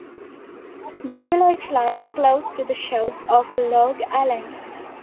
The village lies close to the shores of Lough Allen.